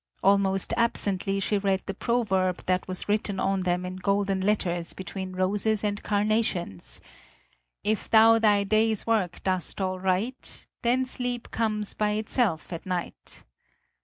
Almost absently she read the proverb that was written on them in golden letters between roses and carnations: "If thou thy day's work dost aright, Then sleep comes by itself at night."